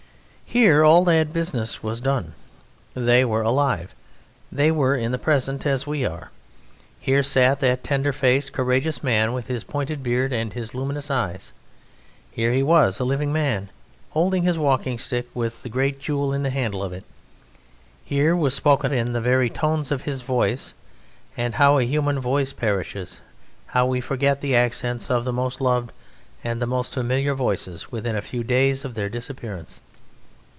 Here all that business was done: they were alive; they were in the Present as we are. Here sat that tender faced, courageous man, with his pointed beard and his luminous eyes; here he was a living man holding his walking stick with the great jewel in the handle of it; here was spoken in the very tones of his voice (and how a human voice perishes! how we forget the accents of the most loved and the most familiar voices within a few days of their disappearance!)